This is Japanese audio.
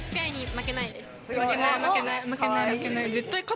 負けない負けない。